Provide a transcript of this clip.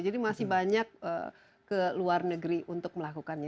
jadi masih banyak ke luar negeri untuk melakukannya